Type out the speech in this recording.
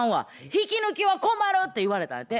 引き抜きは困る」って言われたんやて。